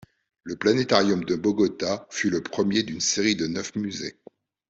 Le planétarium de Bogota fut le premier d'une série de neuf musées.